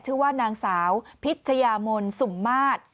ชื่อว่านางสาวพิชยามนสุ่มมาตร